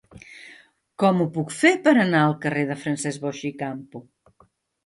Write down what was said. Com ho puc fer per anar al carrer de Francesc Boix i Campo?